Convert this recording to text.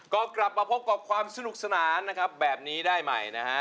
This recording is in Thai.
ก็กลับมาพบกับความสนุกสนานนะครับแบบนี้ได้ใหม่นะฮะ